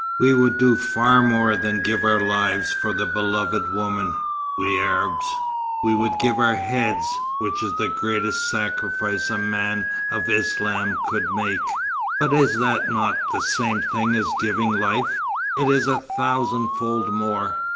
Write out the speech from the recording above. We would do far more than give our lives for the beloved woman, we Arabs. We would give our heads, which is the greatest sacrifice a man of Islam could make." "But is not that the same thing as giving life?" "It is a thousandfold more.